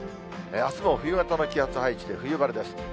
あすも冬型の気圧配置で冬晴れです。